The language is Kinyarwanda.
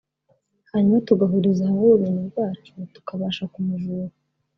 hanyuma tugahuriza hamwe ubumenyi bwacu tukabasha kumuvura